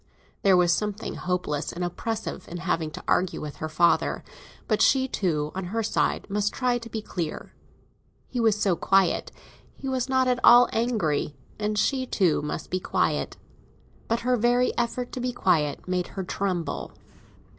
There was something hopeless and oppressive in having to argue with her father; but she too, on her side, must try to be clear. He was so quiet; he was not at all angry; and she too must be quiet. But her very effort to be quiet made her tremble.